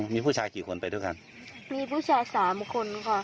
มีผู้ชายกี่คนไปทุกครั้งมีผู้ชาย๓คนค่ะ